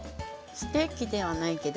ステーキではないけど。